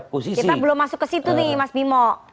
kita belum masuk ke situ nih mas bimo